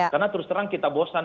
karena terus terang kita bosan